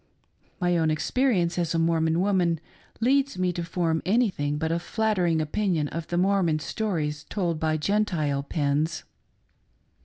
My own experience as a Mormon woman leads me to form any thing but a flattering opinion of the Mormon stories told by Gentile pens.